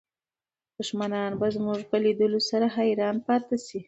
دښمنان به زموږ په لیدلو سره حیران پاتې شي.